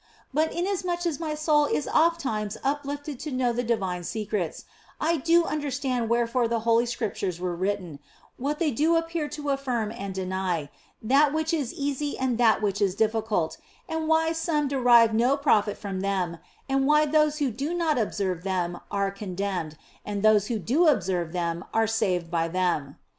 But inasmuch as my soul is ofttimes uplifted to know the divine secrets, I do understand wherefore the Holy Scriptures were written, what they do appear to affirm and deny, that which is easy and that which is difficult, and why some derive no profit from them, and why those who do not observe them are condemned and those who do observe them are saved by them.